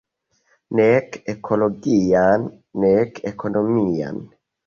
Nek ekologian, nek ekonomian.